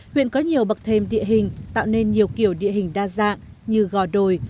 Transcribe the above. huyện có nhiều bậc thềm địa hình tạo nên nhiều kiểu địa hình đa dạng như gò đồi